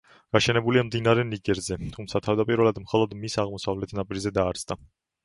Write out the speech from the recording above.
გაშენებულია მდინარე ნიგერზე, თუმცა თავდაპირველად მხოლოდ მის აღმოსავლეთ ნაპირზე დაარსდა.